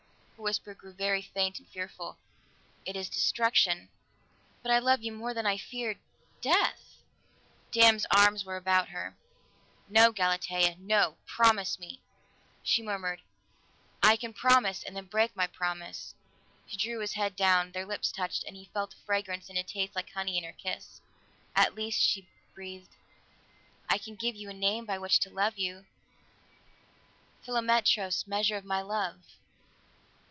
Her whisper grew very faint and fearful. "It is destruction, but I love you more than I fear death!" Dan's arms were about her. "No, Galatea! No! Promise me!" She murmured, "I can promise and then break my promise." She drew his head down; their lips touched, and he felt a fragrance and a taste like honey in her kiss. "At least," she breathed. "I can give you a name by which to love you. Philometros! Measure of my love!"